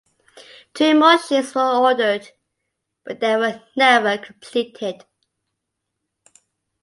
Two more ships were ordered but they were never completed.